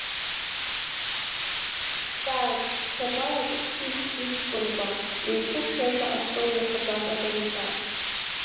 Дҵааит шьакәарак зқьышә иқәкымкәа, еиқәыхьшәашәа астол иахатәаз акомиссар.